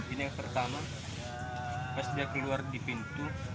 ini yang pertama pas dia keluar di pintu